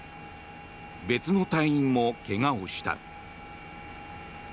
別の隊員も怪我をした。